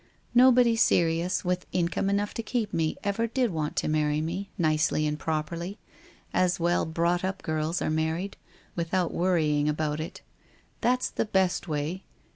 Nobody serious, with income enough to keep me, ever did want to marry me, nicely and properly, as well brought up girls are married, without worrying about it. That's the best way.